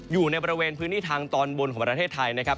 อยู่ในบริเวณพื้นที่ทางตอนบนของประเทศไทยนะครับ